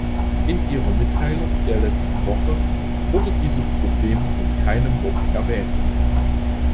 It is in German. In Ihrer Mitteilung der letzten Woche wurde dieses Problem mit keinem Wort erwähnt.